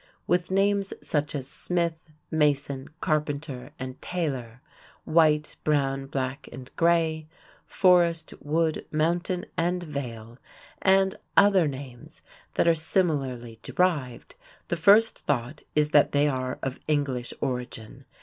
With names such as Smith, Mason, Carpenter, and Taylor; White, Brown, Black, and Gray; Forrest, Wood, Mountain, and Vail, and other names that are similarly derived, the first thought is that they are of English origin.